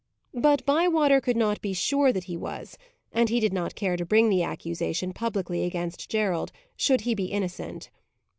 But Bywater could not be sure that he was, and he did not care to bring the accusation publicly against Gerald, should he be innocent.